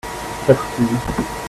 quatre filles.